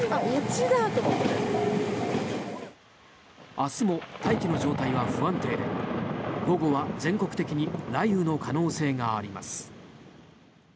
明日も大気の状態は不安定で午後は全国的に雷雨の可能性があります。